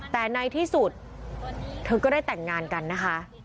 แต่ในที่สุดเธอก็ได้แต่งงานกันนะคะ